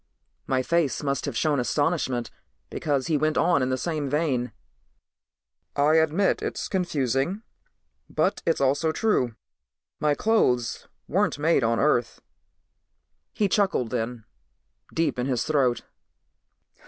My face must have shown astonishment because he went on in the same vein. "I admit it's confusing, but it's also true. My clothes weren't made on Earth." He chuckled then, deep in his throat.